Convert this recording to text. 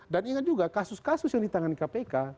dan ingat juga kasus kasus yang ditangani kpk